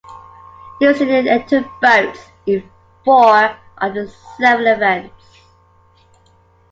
New Zealand entered boats in four of the seven events.